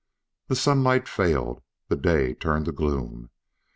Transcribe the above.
The sunlight failed; the day turned to gloom.